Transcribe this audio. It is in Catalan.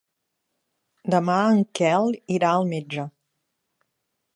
Demà en Quel irà al metge.